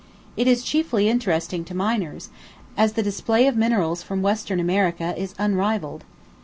It is chiefly interesting to miners, as the display of minerals from Western America is unrivalled.